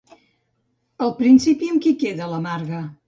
Al principi, amb qui queda la Marga?